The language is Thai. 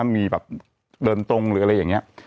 มีแบบเดินตรงหรืออะไรอย่างนี้